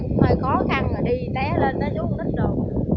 hơi khó khăn đi té lên chú không thích được